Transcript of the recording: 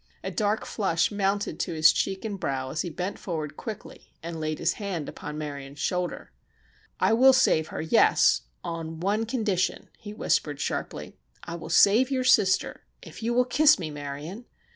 A dark flush mounted to his cheek and brow as he bent forward quickly and laid his hand upon Marion's shoulder. "I will save her, yes—on one condition," he whispered, sharply. "I will save your sister if you will kiss me, Marion!